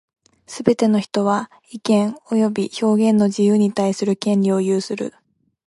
すべて人は、意見及び表現の自由に対する権利を有する。